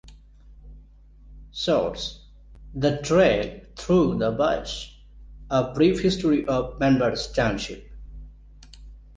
Source: The Trail Through The Bush - A brief history of Manvers Township.